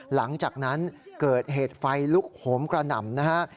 หลังจากนั้นเกิดเหตุไฟลุกโหมกระหน่ำนะฮะ